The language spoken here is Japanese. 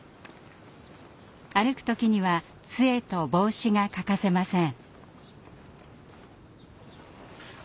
歩く時にはつえと帽子が欠かせません。